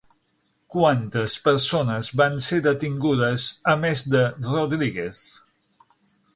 Quantes persones van ser detingudes a més de Rodríguez?